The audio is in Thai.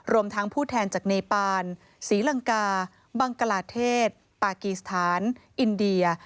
รวมทั้งผู้แทนจากเนปานศรีลังกาบังกลาเทศปากีสถานอินเดีย